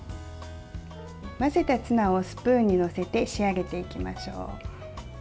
混ぜたツナをスプーンに載せて仕上げていきましょう。